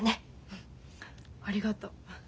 うんありがとう。